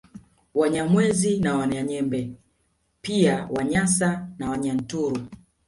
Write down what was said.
Wanyamwezi na Wanyanyembe pia Wanyasa na Wanyaturu